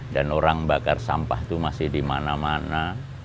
dan orang bakar sampah itu masih di mana mana